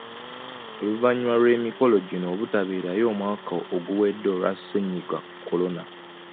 Oluvannyuma lw’emikolo gino obutabeerayo omwaka oguwedde olwa Ssennyiga Kolona.